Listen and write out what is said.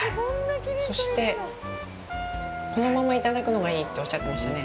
そして、このままいただくのがいいとおっしゃってましたね？